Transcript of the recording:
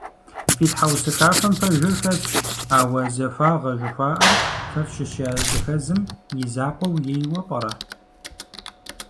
Фи тхьэусыхафэхэм пэжыр хэлъщ, ауэ захуагъэ жыхуаӀэр фэ фщыщ языхэзым и закъуэу ейуэ пӀэрэ?